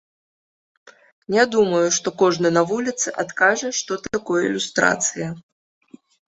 Не думаю, што кожны на вуліцы адкажа, што такое люстрацыя.